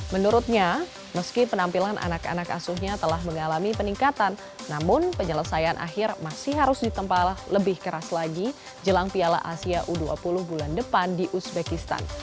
menurutnya meski penampilan anak anak asuhnya telah mengalami peningkatan namun penyelesaian akhir masih harus ditempa lebih keras lagi jelang piala asia u dua puluh bulan depan di uzbekistan